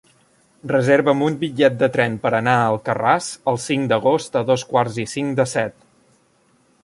Reserva'm un bitllet de tren per anar a Alcarràs el cinc d'agost a dos quarts i cinc de set.